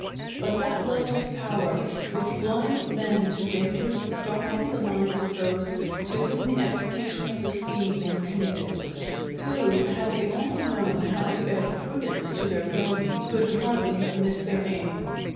But that lust of power which blinds men to dangers darkened the minds of those to whom the execution of the scheme was committed; who, had they only known how to add prudence to their villainy, could hardly have missed their aim.